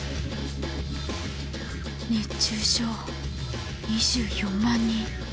熱中症２４万人。